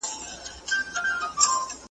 د بادار په حلواګانو وي خوشاله `